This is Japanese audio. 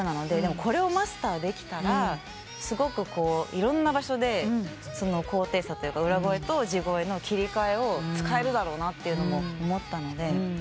でもこれをマスターできたらすごくいろんな場所で高低差というか裏声と地声の切り替えを使えるだろうなというのも思ったので。